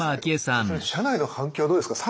それ社内の反響はどうですか？